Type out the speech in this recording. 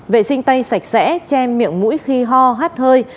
vệ sinh tay sạch sẽ che miệng mũi khi ho hát hơi